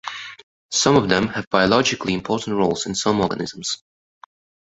Some of them have biologically important roles in some organisms.